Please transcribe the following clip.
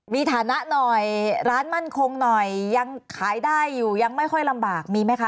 มีฐานะหน่อยร้านมั่นคงหน่อยยังขายได้อยู่ยังไม่ค่อยลำบากมีไหมคะ